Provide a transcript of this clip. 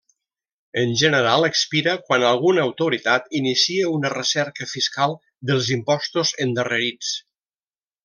En general expira quan alguna autoritat inicia una recerca fiscal dels impostos endarrerits.